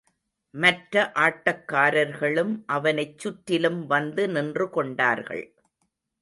மற்ற ஆட்டக் காரர்களும் அவனைச் சுற்றிலும் வந்து நின்று கொண்டார்கள்.